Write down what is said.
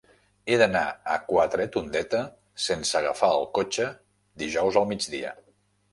He d'anar a Quatretondeta sense agafar el cotxe dijous al migdia.